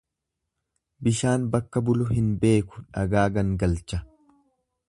Bishaan bakka bulu hin beeku dhagaa gangalcha.